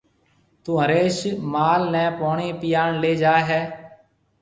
تو هريش مال نَي پوڻِي پِياڻ ليَ جائي هيَ۔